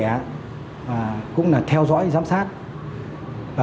cũng là tham hiu cho đảng ubnd thường xuyên xuống động viên